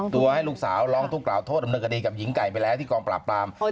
ให้ลูกสาวร้องทุกกล่าวโทษดำเนินคดีกับหญิงไก่ไปแล้วที่กองปราบปราม